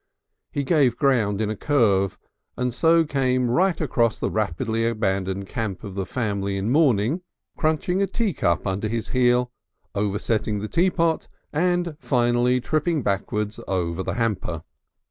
He gave ground in a curve, and so came right across the rapidly abandoned camp of the family in mourning, crunching a teacup under his heel, oversetting the teapot, and finally tripping backwards over the hamper.